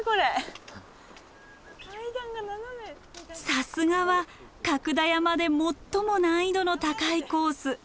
さすがは角田山で最も難易度の高いコース。